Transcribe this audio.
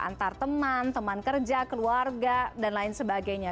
antar teman teman kerja keluarga dan lain sebagainya